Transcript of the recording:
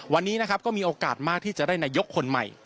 วันนี้นะครับก็มีโอกาสมากที่จะได้นายกคนใหม่